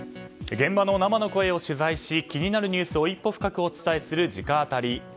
現場の生の声を取材し気になるニュースを一歩深くお伝えする直アタリ。